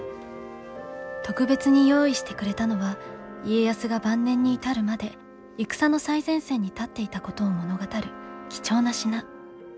特別に用意してくれたのは家康が晩年に至るまで戦の最前線に立っていたことを物語る貴重な品。